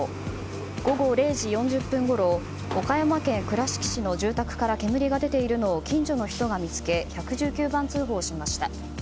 午後０時４０分ごろ岡山県倉敷市の住宅から煙が出ているのを近所の人が見つけ１１９番通報しました。